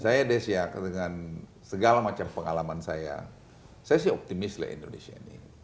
saya desya dengan segala macam pengalaman saya saya sih optimis lah indonesia ini